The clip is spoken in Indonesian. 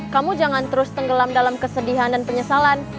kamu jangan terus tenggelam dalam kesedihan dan penyesalan